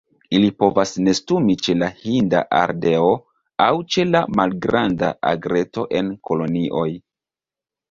Ili povas nestumi ĉe la Hinda ardeo aŭ ĉe la Malgranda egreto en kolonioj.